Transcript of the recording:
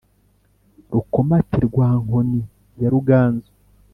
rukomati rwa nkoni ya ruganzu,